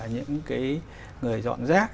những cái người dọn rác